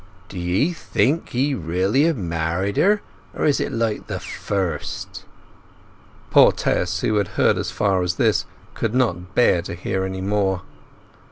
"D'ye think he really have married her?—or is it like the first—" Poor Tess, who had heard as far as this, could not bear to hear more.